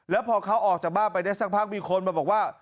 แล้วพอเขาออกจากบ้านไปได้สักพักมีคนมาบอกว่า